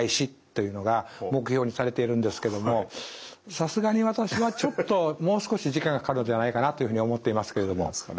さすがに私はちょっともう少し時間がかかるんじゃないかなというふうに思っていますけれども。